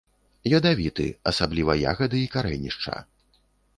Ядавіты, асабліва ягады і карэнішча.